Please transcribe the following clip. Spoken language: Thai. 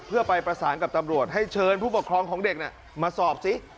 เพื่อไปประสานกับตำรวจให้เชิญผู้ปกครองของเด็กมาสอบสิ